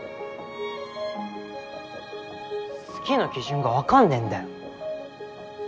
「好き」の基準が分かんねえんだよ。